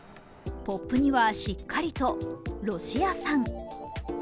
ポップにはしっかりと「ロシア産」。